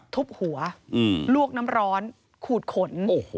ทุบหัวลวกน้ำร้อนขูดขน